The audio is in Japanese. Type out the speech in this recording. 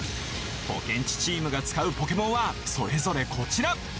ポケんちチームが使うポケモンはそれぞれこちら。